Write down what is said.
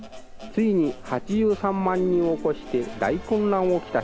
ついに８３万人を超して、大混乱を来した。